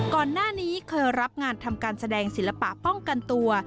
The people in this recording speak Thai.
ก่อนหน้านี้เคยรับงานทำการแสดงศิลปะป้องกันตัว